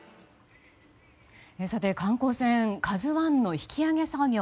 観光船「ＫＡＺＵ１」の引き揚げ作業。